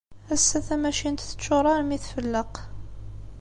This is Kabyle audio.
Ass-a, tamacint teččuṛ armi tfelleq.